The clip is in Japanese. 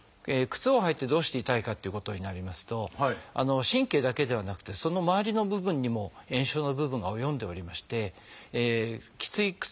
靴を履いてどうして痛いかということになりますと神経だけではなくてその周りの部分にも炎症の部分が及んでおりましてきつい